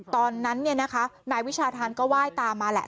ตอนนั้นนายวิชาธานก็ไหว้ตามมาแหละ